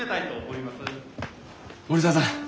森澤さん